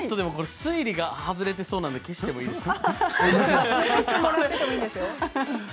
推理が外れていそうなのでちょっと消してもいいですか？